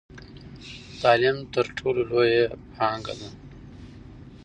تعلیم تر ټولو لویه پانګه ده.